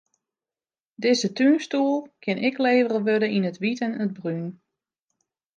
Dizze túnstoel kin ek levere wurde yn it wyt en it brún.